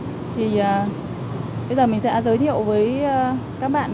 với những đồ chơi gỗ thông minh thì bây giờ mình sẽ giới thiệu với các bạn